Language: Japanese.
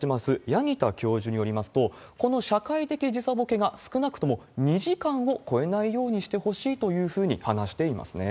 八木田教授によりますと、この社会的時差ぼけが、少なくとも２時間を超えないようにしてほしいというふうに話していますね。